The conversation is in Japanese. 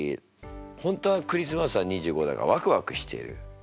本当はクリスマスは２５だがワクワクしている。